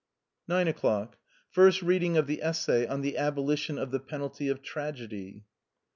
9. — First reading of the essay on the "Abolition of the penalty of tragedy.''